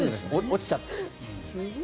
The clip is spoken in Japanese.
落ちちゃった。